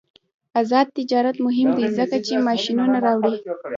آزاد تجارت مهم دی ځکه چې ماشینونه راوړي.